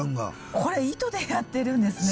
これ糸でやってるんですね。